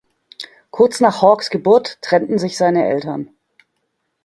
Kurz nach Hawkes Geburt trennten sich seine Eltern.